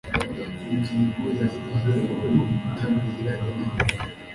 Ingingo ya kwitabira Inama